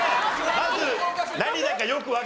まず。